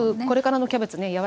これからのキャベツね